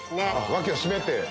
脇を締めて。